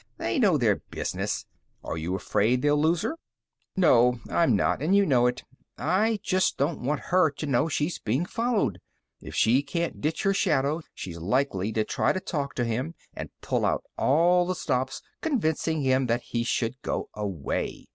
"They know their business. Are you afraid they'll lose her?" "No, I'm not, and you know it. I just don't want her to know she's being followed. If she can't ditch her shadow, she's likely to try to talk to him and pull out all the stops convincing him that he should go away."